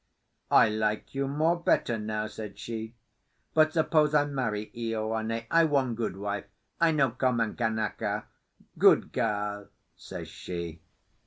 "I like you more better now," said she. "But, suppose I marry Ioane, I one good wife. I no common Kanaka. Good girl!" says she.